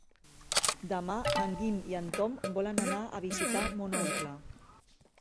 Demà en Guim i en Tom volen anar a visitar mon oncle.